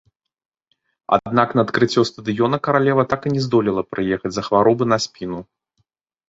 Аднак на адкрыццё стадыёна каралева так і не здолела прыехаць з-за хваробы на спіну.